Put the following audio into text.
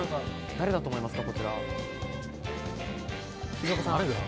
誰だと思いますか？